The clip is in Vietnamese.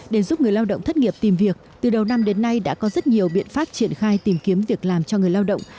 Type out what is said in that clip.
để giúp người lao động thất nghiệp tìm việc từ đầu năm đến nay đã có rất nhiều biện pháp triển khai tìm kiếm việc làm cho người lao động